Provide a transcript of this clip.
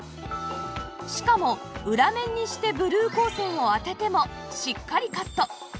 しかも裏面にしてブルー光線を当ててもしっかりカット